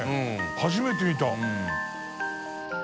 初めて見た。